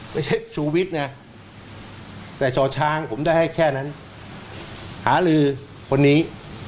ไม่ใช่ชูวิทย์นะแต่ช่อช้างผมได้ให้แค่นั้นหาลือคนนี้